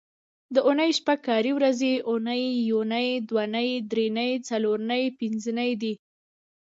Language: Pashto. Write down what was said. د اونۍ شپږ کاري ورځې اونۍ، یونۍ، دونۍ، درېنۍ، څلورنۍ، پینځنۍ دي